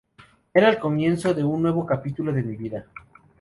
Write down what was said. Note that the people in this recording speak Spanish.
Era el comienzo de un nuevo capítulo de mi vida.